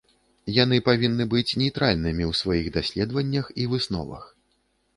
Яны павінны быць нейтральнымі ў сваіх даследаваннях і высновах.